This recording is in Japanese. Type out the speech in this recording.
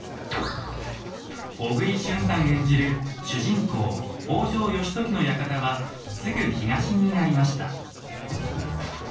小栗旬さん演じる主人公・北条義時の館はすぐ東にありました。